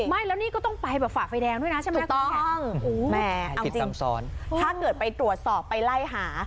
ไม่แล้วนี่ก็ต้องไปแบบฝ่าไฟแดงด้วยนะใช่ไหมถูกต้องแหมเอาจริงถ้าเกิดไปตรวจสอบไปไล่หา